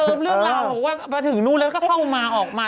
เป็นตาเป็นเติมเรื่องราวบอกว่ามาถึงนู้นแล้วก็เข้ามาออกมา